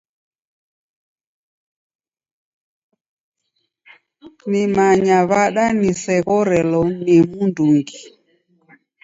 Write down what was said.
Nimanyaa w'ada niseghorelo ni mndungi?